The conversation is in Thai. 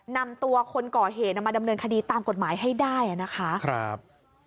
นำตัวคนก่อเหตุมาดำเนินคดีตามกฎหมายให้ได้นะคะครับ